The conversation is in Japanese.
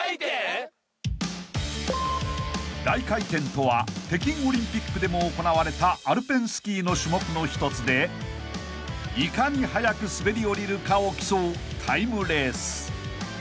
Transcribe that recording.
［大回転とは北京オリンピックでも行われたアルペンスキーの種目の一つでいかに速く滑り降りるかを競うタイムレース］